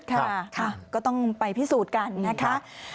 ค่ะก็ต้องไปพิสูจน์กันนะคะ